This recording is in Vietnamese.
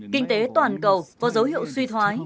kinh tế toàn cầu có dấu hiệu suy thoái